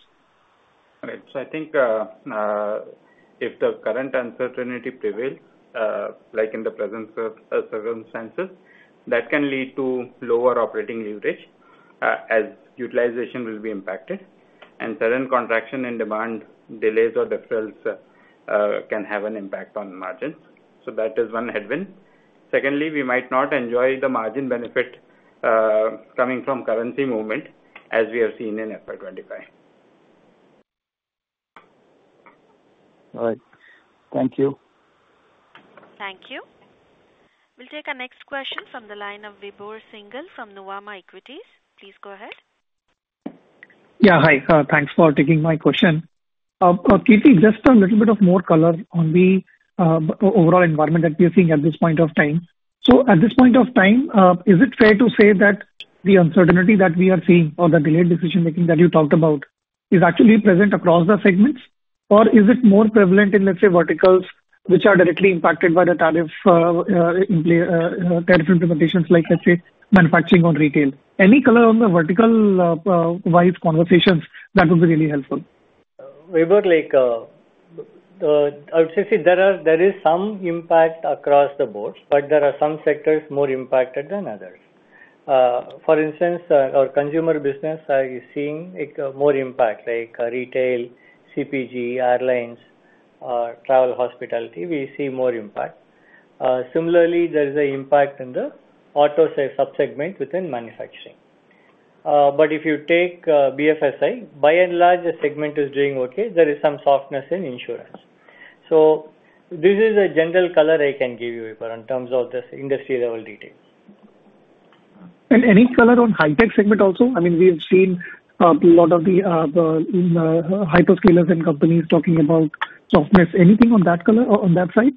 Right. I think if the current uncertainty prevails, like in the present circumstances, that can lead to lower operating leverage as utilization will be impacted. Sudden contraction in demand, delays, or deferrals can have an impact on margins. That is one headwind. Secondly, we might not enjoy the margin benefit coming from currency movement as we have seen in FY 2025. All right. Thank you. Thank you. We'll take a next question from the line of Vibhor Singhal from Nuvama Equities. Please go ahead. Yeah. Hi. Thanks for taking my question. Krithi, just a little bit of more color on the overall environment that we are seeing at this point of time. At this point of time, is it fair to say that the uncertainty that we are seeing or the delayed decision-making that you talked about is actually present across the segments, or is it more prevalent in, let's say, verticals which are directly impacted by the tariff implementations, like, let's say, Manufacturing or Retail? Any color on the vertical-wise conversations? That would be really helpful. Vibhor, I would say there is some impact across the board, but there are some sectors more impacted than others. For instance, our Consumer Business is seeing more impact, like Retail, CPG, Airlines, Travel, Hospitality. We see more impact. Similarly, there is an impact in the Auto subsegment within Manufacturing. If you take BFSI, by and large, the segment is doing okay. There is some softness in Insurance. This is a general color I can give you, Vibhor, in terms of this industry-level detail. Any color on High Tech segment also? I mean, we have seen a lot of the hyperscalers and companies talking about softness. Anything on that color on that side?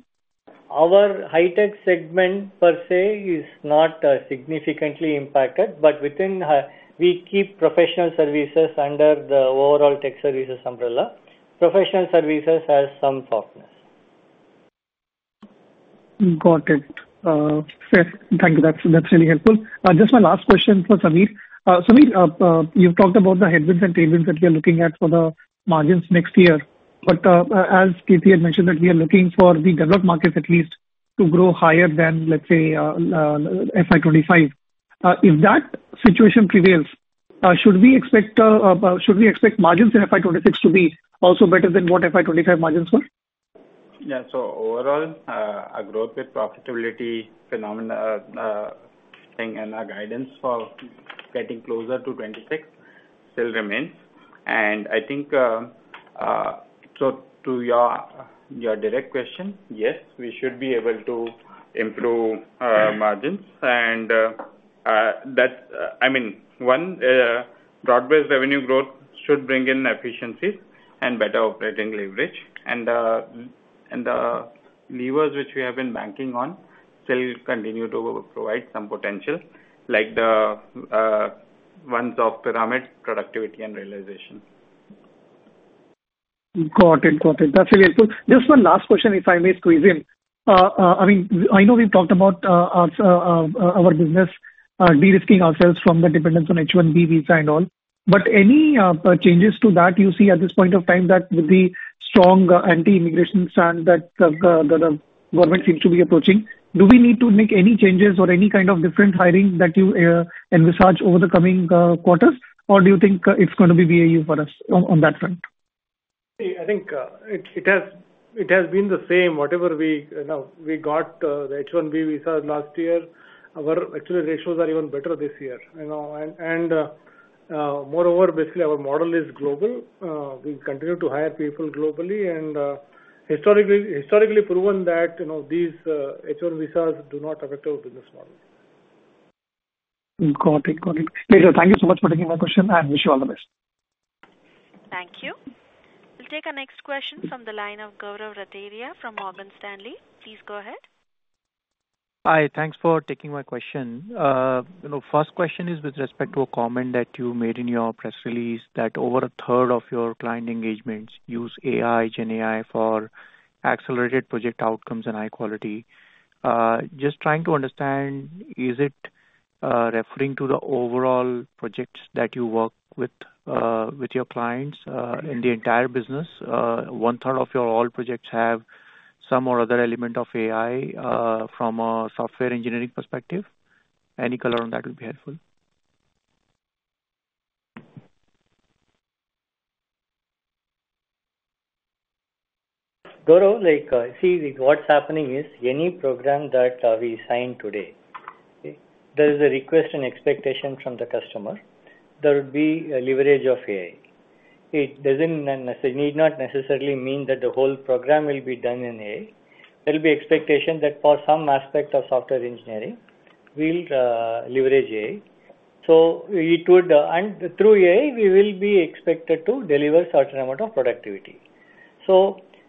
Our High Tech segment per se is not significantly impacted, but we keep Professional Services under the overall Tech Services umbrella. Professional Services has some softness. Got it. Thank you. That's really helpful. Just my last question for Samir. Samir, you've talked about the headwinds and tailwinds that you're looking at for the margins next year. As Krithi had mentioned, we are looking for the developed markets at least to grow higher than, let's say, FY 2025. If that situation prevails, should we expect margins in FY 2026 to be also better than what FY 2025 margins were? Yeah. Overall, our growth with profitability phenomenon and our guidance for getting closer to 2026 still remains. I think to your direct question, yes, we should be able to improve margins. I mean, one, broad-based revenue growth should bring in efficiencies and better operating leverage. The levers which we have been banking on still continue to provide some potential, like the ones of pyramid, productivity, and realization. Got it. Got it. Tat's really helpful. Just one last question, if I may squeeze in. I mean, I know we've talked about our business de-risking ourselves from the dependence on H-1B visa and all. Any changes to that you see at this point of time that with the strong anti-immigration stance that the government seems to be approaching, do we need to make any changes or any kind of different hiring that you envisage over the coming quarters, or do you think it's going to be BAU for us on that front? I think it has been the same. Whatever we got the H-1B visas last year, our actually ratios are even better this year. Moreover, basically, our model is global. We continue to hire people globally and historically proven that these H-1B visas do not affect our business model. Got it. Got it. Thank you so much for taking my question. I wish you all the best. Thank you. We'll take a next question from the line of Gaurav Rateria from Morgan Stanley. Please go ahead. Hi. Thanks for taking my question. First question is with respect to a comment that you made in your press release that over 1/3 of your client engagements use AI/GenAI, for accelerated project outcomes and high quality. Just trying to understand, is it referring to the overall projects that you work with your clients in the entire business? 1/3 of your all projects have some or other element of AI from a software engineering perspective? Any color on that would be helpful. Gaurav, see, what's happening is any program that we sign today, there is a request and expectation from the customer. There would be a leverage of AI. It does not necessarily mean that the whole program will be done in AI. There will be expectation that for some aspect of software engineering, we'll leverage AI. Through AI, we will be expected to deliver a certain amount of productivity.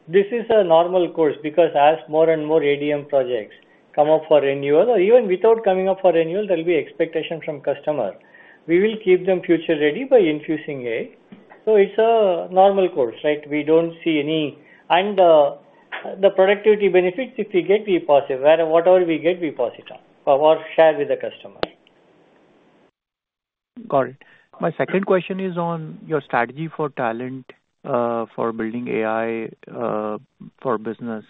This is a normal course because as more and more ADM projects come up for renewal, or even without coming up for renewal, there will be expectation from customer. We will keep them future-ready by infusing AI. It is a normal course, right? We do not see any. The productivity benefits, if we get, we pass it. Whatever we get, we pass it on or share with the customer. Got it. My second question is on your strategy for talent for building AI for Business.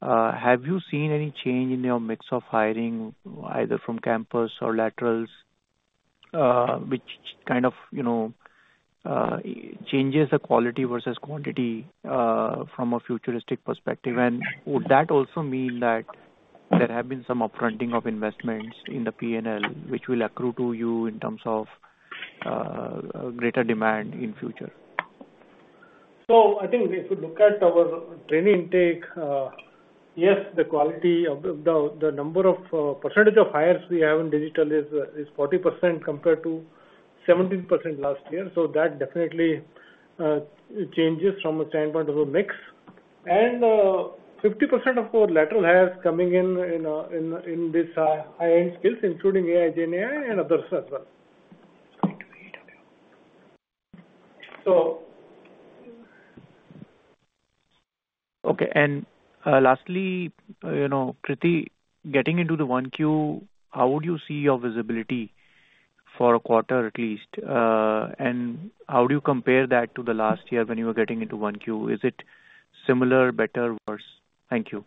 Have you seen any change in your mix of hiring, either from campus or laterals, which kind of changes the quality versus quantity from a futuristic perspective? Would that also mean that there have been some upfronting of investments in the P&L, which will accrue to you in terms of greater demand in future? I think if we look at our training intake, yes, the number or percentage of hires we have in digital is 40% compared to 17% last year. That definitely changes from a standpoint of the mix. 50% of our lateral hires are coming in in these high-end skills, including AI/GenAI, and others as well. Okay. Lastly, Krithi, getting into the 1Q, how would you see your visibility for a quarter at least? How do you compare that to last year when you were getting into 1Q? Is it similar, better, or worse? Thank you.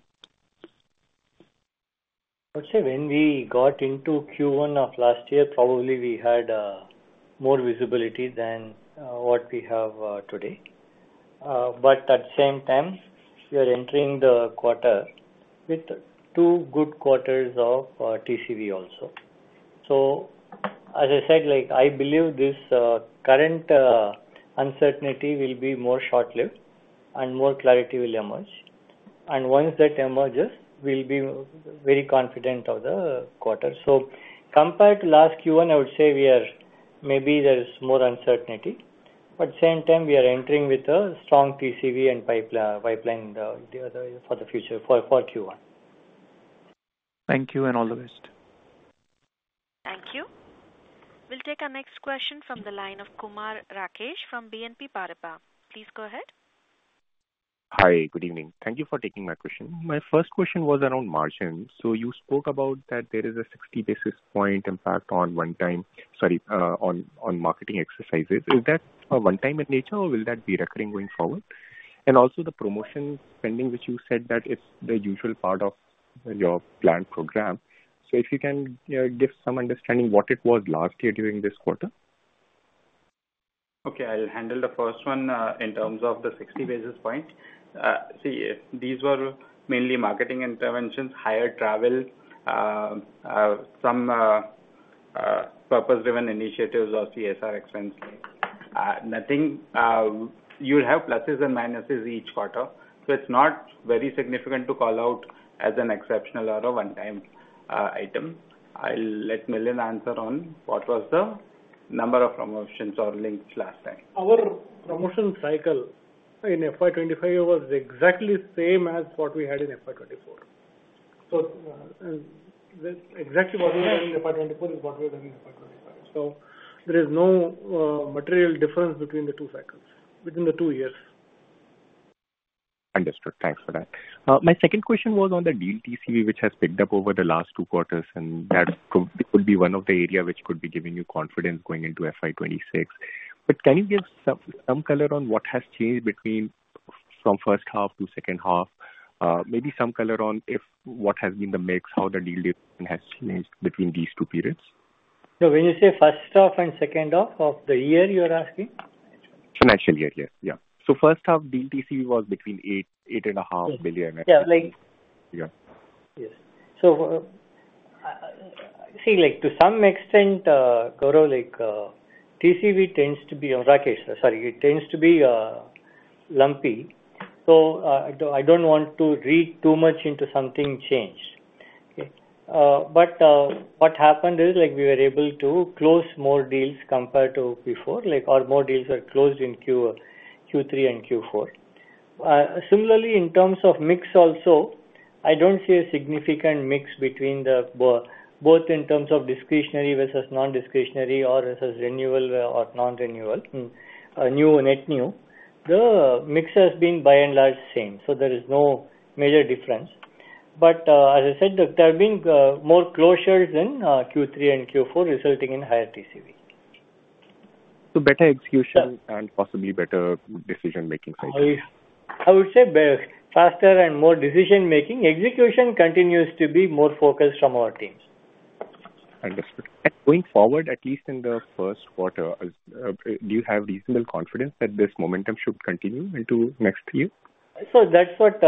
I would say when we got into Q1 of last year, probably we had more visibility than what we have today. At the same time, we are entering the quarter with two good quarters of TCV also. As I said, I believe this current uncertainty will be more short-lived and more clarity will emerge. Once that emerges, we will be very confident of the quarter. Compared to last Q1, I would say maybe there is more uncertainty. At the same time, we are entering with a strong TCV and pipeline for the future for Q1. Thank you and all the best. Thank you. We'll take a next question from the line of Kumar Rakesh from BNP Paribas. Please go ahead. Hi. Good evening. Thank you for taking my question. My first question was around margins. You spoke about that there is a 60-basis-point impact on one-time, sorry, on marketing exercises. Is that one-time in nature, or will that be recurring going forward? Also, the promotion spending, which you said that it's the usual part of your planned program. If you can give some understanding what it was last year during this quarter. Okay. I'll handle the first one in terms of the 60 basis points. These were mainly marketing interventions, higher travel, some purpose-driven initiatives or CSR expense. You'll have pluses and minuses each quarter. It's not very significant to call out as an exceptional or a one-time item. I'll let Milind answer on what was the number of promotions or links last time. Our promotion cycle in FY 2025 was exactly the same as what we had in FY 2024. Exactly what we had in FY 2024 is what we're doing in FY 2025. There is no material difference between the two cycles within the two years. Understood. Thanks for that. My second question was on the deal TCV, which has picked up over the last two quarters, and that would be one of the areas which could be giving you confidence going into FY 2026. Can you give some color on what has changed from first half to second half? Maybe some color on what has been the mix, how the deal has changed between these two periods? When you say first half and second half of the year, you're asking? Financial year. Yeah. Yeah. First half deal TCV was between $8 billion and $8.5 billion. Yeah. Yes. To some extent, Gaurav, TCV tends to be, Rakesh, sorry, it tends to be lumpy. I do not want to read too much into something changed. What happened is we were able to close more deals compared to before, or more deals were closed in Q3 and Q4. Similarly, in terms of mix also, I do not see a significant mix between both in terms of discretionary versus non-discretionary or versus renewal or non-renewal, new and net new. The mix has been by and large same. There is no major difference. As I said, there have been more closures in Q3 and Q4 resulting in higher TCV. Better execution and possibly better decision-making, I guess. I would say faster and more decision-making. Execution continues to be more focused from our teams. Understood. Going forward, at least in the first quarter, do you have reasonable confidence that this momentum should continue into next year? That is what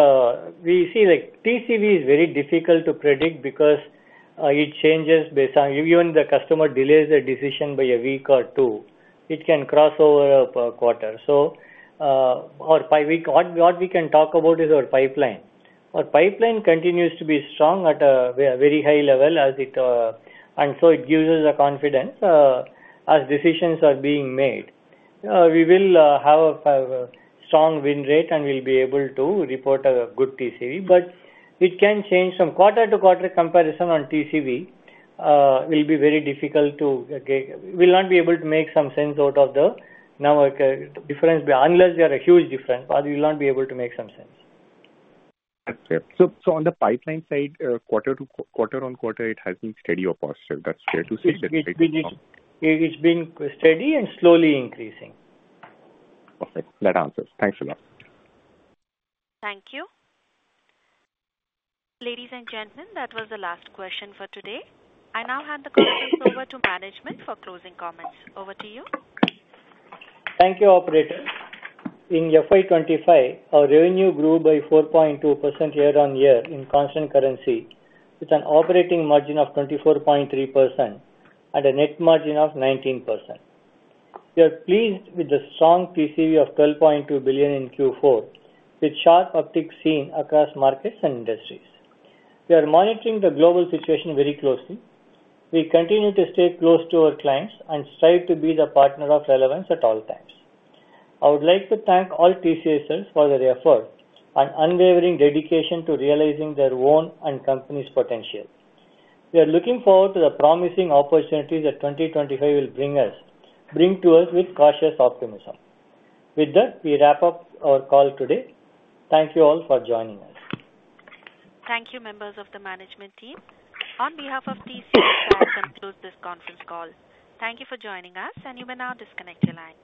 we see. TCV is very difficult to predict because it changes based on even the customer delays their decision by a week or two. It can cross over a quarter. What we can talk about is our pipeline. Our pipeline continues to be strong at a very high level, and so it gives us a confidence as decisions are being made. We will have a strong win rate, and we'll be able to report a good TCV. It can change from quarter-to-quarter comparison on TCV. It will be very difficult to get, we'll not be able to make some sense out of the number of difference unless there are huge differences. We'll not be able to make some sense. Understood. On the pipeline side, quarter-on-quarter, it has been steady or positive. That's fair to say. It's been steady and slowly increasing. Perfect. That answers. Thanks a lot. Thank you. Ladies and gentlemen, that was the last question for today. I now hand the questions over to management for closing comments. Over to you. Thank you, operator. In FY 2025, our revenue grew by 4.2% year-on-year in constant currency with an operating margin of 24.3% and a net margin of 19%. We are pleased with the strong TCV of $12.2 billion in Q4 with sharp uptick seen across markets and industries. We are monitoring the global situation very closely. We continue to stay close to our clients and strive to be the partner of relevance at all times. I would like to thank all TCSers for their effort and unwavering dedication to realizing their own and company's potential. We are looking forward to the promising opportunities that 2025 will bring to us with cautious optimism. With that, we wrap up our call today. Thank you all for joining us. Thank you, members of the management team. On behalf of TCS, I'll conclude this conference call. Thank you for joining us, and you may now disconnect your line.